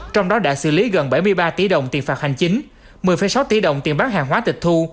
trong đó đã xử lý gần bảy mươi ba tỷ đồng tiền phạt hành chính một mươi sáu tỷ đồng tiền bán hàng hóa tịch thu